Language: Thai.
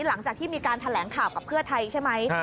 หลังจากที่มีการแถลงข่าวกับเพื่อไทยใช่ไหม